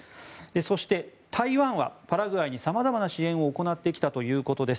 そして、台湾はパラグアイにさまざまな支援を行ってきたということです。